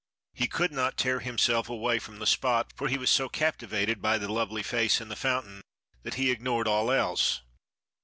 He could not tear himself away from the spot, for he was so captivated by the lovely face in the fountain that he ignored all else.